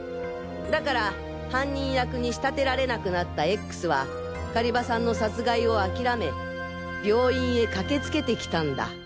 だから犯人役に仕立てられなくなったＸは狩場さんの殺害を諦め病院へ駆けつけてきたんだ。